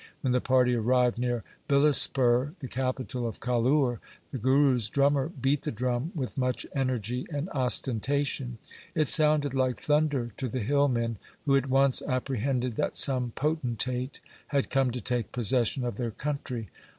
When the party arrived near Bilaspur, the capital of Kahlur, the Guru's drummer beat the drum with much energy and ostentation. It sounded like thunder to the hillmen, who at once apprehended that some potentate had come to take possession of their country.